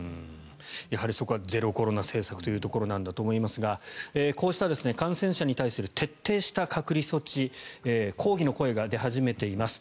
やはりそこはゼロコロナ政策というところだと思いますがこうした感染者に対する徹底した隔離措置抗議の声が出始めています。